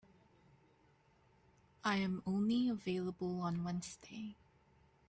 I am only available on Wednesday.